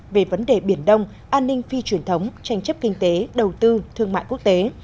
về vấn đề biển đông an ninh phi truyền thống tranh chấp kinh tế đầu tư thương mại quốc tế